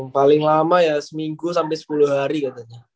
paling lama ya seminggu sampai sepuluh hari katanya